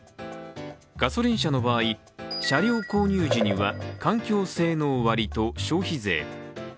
ガソリン車の場合、車両購入時には環境性能割と消費税。